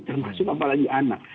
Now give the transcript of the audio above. termasuk apalagi anak